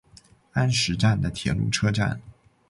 安食站的铁路车站。